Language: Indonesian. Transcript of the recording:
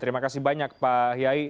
terima kasih banyak pak yai